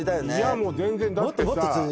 もう全然だってさ